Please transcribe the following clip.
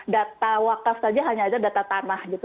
data wakaf saja hanya saja data tanah gitu